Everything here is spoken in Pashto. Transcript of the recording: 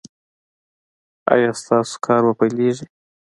ایا ستاسو کار به پیلیږي؟